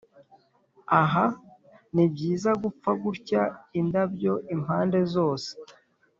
ah! nibyiza gupfa gutya, indabyo impande zose,